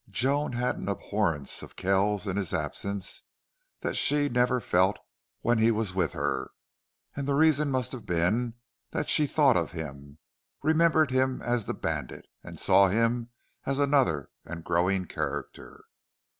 Joan had an abhorrence of Keils in his absence that she never felt when he was with her; and the reason must have been that she thought of him, remembered him as the bandit, and saw him as another and growing character.